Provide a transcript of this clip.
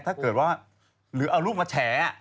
ถ้าเกิดว่าหรือเอารูปมาแฉ